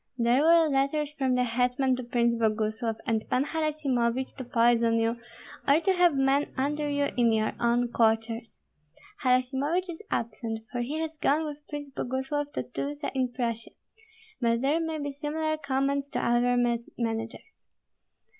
There were letters from the hetman to Prince Boguslav and Pan Harasimovich to poison you, or to have men under you in your own quarters. Harasimovich is absent, for he has gone with Prince Boguslav to Tyltsa in Prussia; but there may be similar commands to other managers.